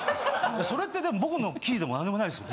それってでも僕のキーでも何でもないですよ。